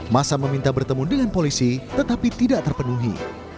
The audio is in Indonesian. masa meminta bertemu dengan polisi tetapi tidak terpenuhi